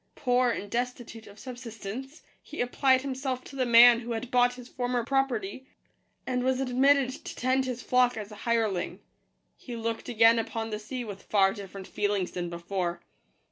Poor, and destitute of subsistence, he applied himself to the man who had bought his former property, and was ad mitted to tend his flock as a hireling. He looked again upon the sea with far different feelings than before.